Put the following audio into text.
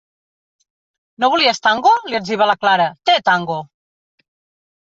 No volies tango? —li etziba la Clara— Té tango!